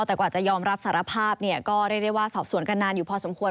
แต่กว่าจะยอมรับสารภาพเนี่ยก็เรียกได้ว่าสอบสวนกันนานอยู่พอสมควร